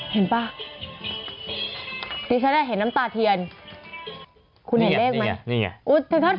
เห็นป่ะนี่ฉันได้เห็นน้ำตาเทียนคุณเห็นเลขไหมนี่ไงนี่ไง